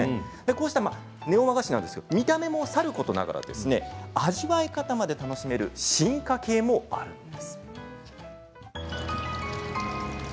こうしたネオ和菓子見た目もさることながら味わい方まで楽しめる進化系もあるんです。